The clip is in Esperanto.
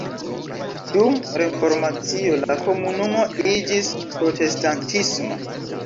Dum Reformacio la komunumo iĝis protestantisma.